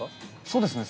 そうですね。